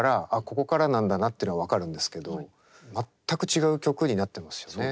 ここからなんだなっての分かるんですけど全く違う曲になってますよね。